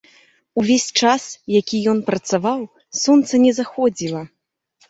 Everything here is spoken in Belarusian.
Увесь час, які ён працаваў, сонца не заходзіла.